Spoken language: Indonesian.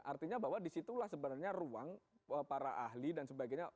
artinya bahwa disitulah sebenarnya ruang para ahli dan sebagainya